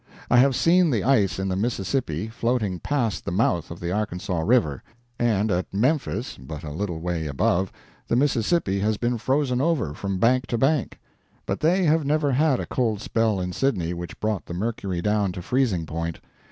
I have seen the ice in the Mississippi floating past the mouth of the Arkansas river; and at Memphis, but a little way above, the Mississippi has been frozen over, from bank to bank. But they have never had a cold spell in Sydney which brought the mercury down to freezing point.